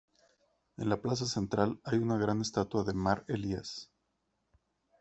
En la plaza central hay una gran estatua de Mar Elias.